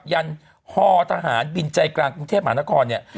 ยันฮทหารบินใจกลางกรุงเทพมหานครเนี่ย